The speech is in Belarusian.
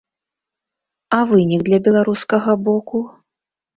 А вынік для беларускага боку?